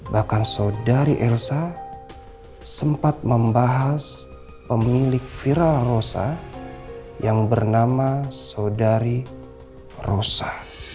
bahkan saudari elsa sempat membahas pemilik viral rosa yang bernama saudari rosa